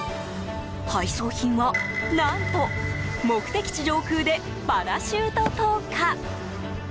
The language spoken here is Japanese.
配送品は、何と目的地上空でパラシュート投下！